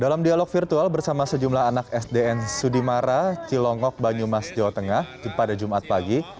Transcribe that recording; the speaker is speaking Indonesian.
dalam dialog virtual bersama sejumlah anak sdn sudimara cilongok banyumas jawa tengah pada jumat pagi